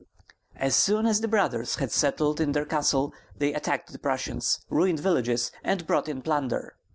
As soon as the Brothers had settled in their castle, they attacked the Prussians, ruined villages, and brought in plunder.